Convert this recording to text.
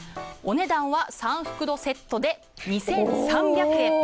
お値段は３袋セットで２３００円。